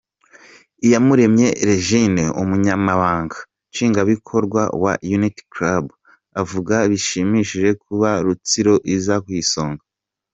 Iyamuremye Regine, Umunyamabanga Nshingwabikorwa wa Unity Club, avuga bishimishije kuba Rutsiro iza ku isonga.